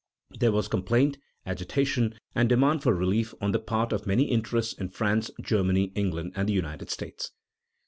There was complaint, agitation, and demand for relief on the part of many interests in France, Germany, England, and the United States.